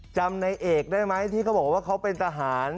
จำในเอกได้ไหมที่เขาบอกว่าเขาเป็นทหาร